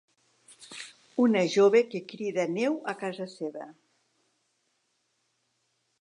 Una jove que crida neu a casa seva.